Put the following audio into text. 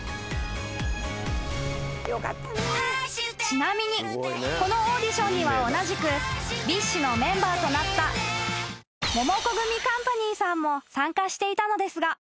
［ちなみにこのオーディションには同じくＢｉＳＨのメンバーとなったモモコグミカンパニーさんも参加していたのですが］